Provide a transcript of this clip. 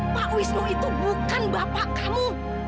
pak wisnu itu bukan bapak kamu